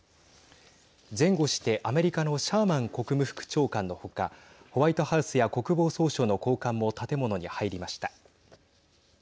前後してアメリカのシャーマン国務副長官の他ホワイトハウスや国防総省の高官も建物に入りました。